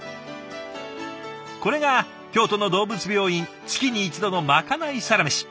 これが京都の動物病院月に一度のまかないサラメシ。